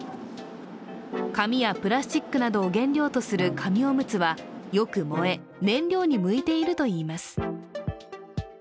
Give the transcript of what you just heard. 紙やプラスチックなどを原料とする紙おむつはよく燃え、燃料に向いているといいます。